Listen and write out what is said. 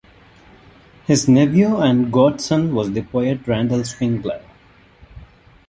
His nephew and godson was the poet Randall Swingler.